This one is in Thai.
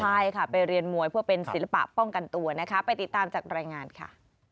ใช่ค่ะไปเรียนมวยเพื่อเป็นศิลปะป้องกันตัวนะคะไปติดตามจากรายงานค่ะ